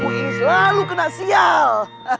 ini selalu kena sial